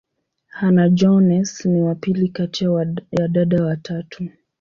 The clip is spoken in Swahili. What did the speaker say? Hannah-Jones ni wa pili kati ya dada watatu.